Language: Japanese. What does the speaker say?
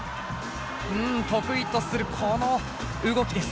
うん得意とするこの動きです。